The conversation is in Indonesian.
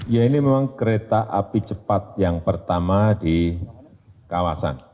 ya ini memang kereta api cepat yang pertama di kawasan